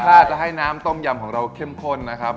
ให้น้ำต้มยำของเราเข้มข้นนะครับ